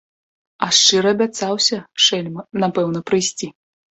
А шчыра абяцаўся, шэльма, напэўна прыйсці.